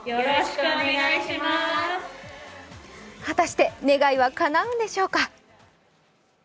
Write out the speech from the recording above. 果たして、願いはかなうのでしょうか？